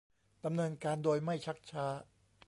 ดำเนินการโดยไม่ชักช้า